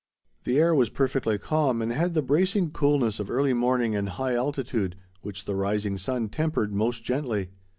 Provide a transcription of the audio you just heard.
The air was perfectly calm and had the bracing coolness of early morning and high altitude, which the rising sun tempered most gently.